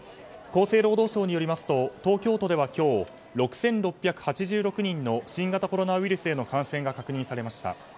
厚生労働省によりますと東京都では今日６６８６人の新型コロナウイルスへの感染が確認されました。